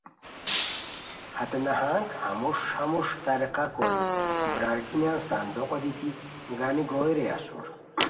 ہتے نہنگ ہموݰ ہموݰ طریقہ کوری برارگینیان صندوقو دیتی گانی گوئے رے اسور